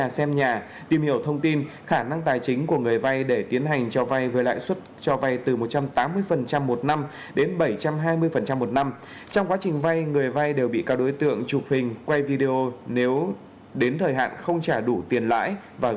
xin chào và hẹn gặp lại